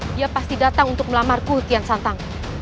dia pasti datang untuk melamar kehutian santang